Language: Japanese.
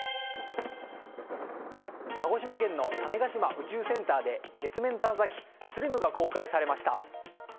鹿児島県の種子島宇宙センターで月面探査機「ＳＬＩＭ」が公開されました。